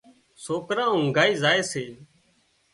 سوڪران اونگھائي زائي سي